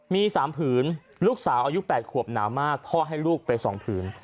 มี๓ผืนลูกสาวอายุ๘ขวบหนาวมากพ่อให้ลูกไป๒ผืน